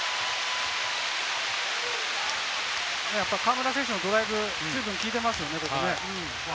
河村選手のドライブ、ずいぶん効いていますね。